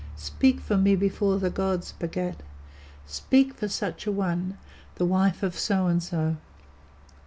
"Speak for me before the gods, Bhagat. Speak for such a one, the wife of so and so!"